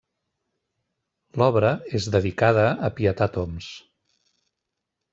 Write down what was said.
L'obra és dedicada a Pietat Homs.